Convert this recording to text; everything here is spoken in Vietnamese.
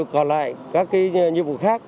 còn lại các cái nhiệm vụ khác